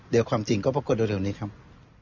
เดี๋ยวความจริงก็ปรากฏเร็วนี้ครับ